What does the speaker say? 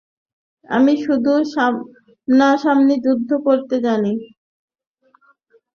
আমি শুধু সামনা-সামনি যুদ্ধ করতে জানি।